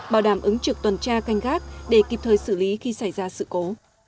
bảo đảm ứng trực tuần tra canh gác để kịp thời xử lý khi xảy ra sự cố